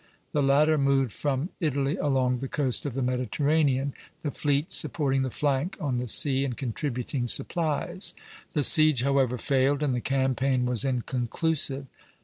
The latter moved from Italy along the coast of the Mediterranean, the fleet supporting the flank on the sea, and contributing supplies. The siege, however, failed, and the campaign was inconclusive.